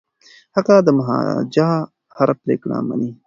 هغه د مهاراجا هره پریکړه مني.